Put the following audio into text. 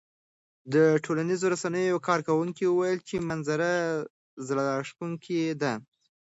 ټولنیزو رسنیو یو کاروونکي وویل چې منظره زړه راښکونکې ده.